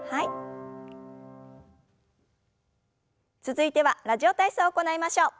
続いては「ラジオ体操」を行いましょう。